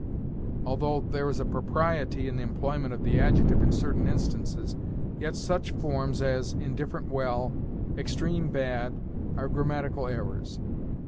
Although there is a propriety in the employment of the adjective in certain instances, yet such forms as 'indifferent well,' 'extreme bad,' are grammatical errors.